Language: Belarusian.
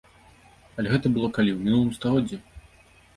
Але гэта было калі, у мінулым стагоддзі!